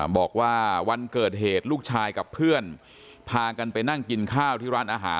บอกว่าวันเกิดเหตุลูกชายกับเพื่อนพากันไปนั่งกินข้าวที่ร้านอาหาร